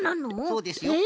そうですよ。え！